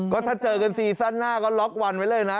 ก็ถ้าเจอกันซีซั่นหน้าก็ล็อกวันไว้เลยนะ